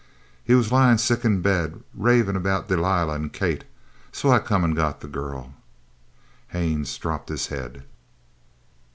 "He was lyin' sick in bed, ravin' about 'Delilah' an' 'Kate.' So I come an' got the girl." Haines dropped his head.